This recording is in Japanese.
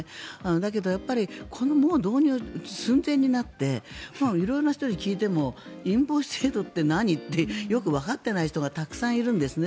だけどやっぱり導入寸前になって色々な人に聞いてもインボイス制度って何？ってよくわかってない人がたくさんいるんですね。